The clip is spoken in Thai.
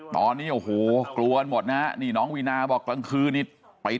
ตอนนี้โอ้โหกลัวหมดนะฮะนี่น้องวีนาบอกกลางคืนนี่ไป